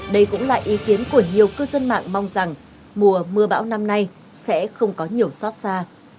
đây cũng là ý kiến của nhiều cư dân mạng mong rằng mùa mưa bão năm nay sẽ không có nhiều xót xa